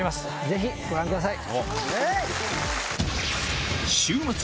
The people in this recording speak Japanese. ぜひご覧ください。